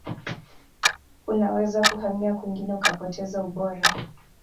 unaweza kuhamia kwingine ukapoteza ubora